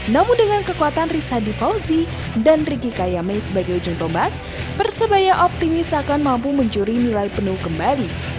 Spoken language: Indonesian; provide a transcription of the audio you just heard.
namun dengan kekuatan rizadi fauzi dan riki kayame sebagai ujung tombak persebaya optimis akan mampu mencuri nilai penuh kembali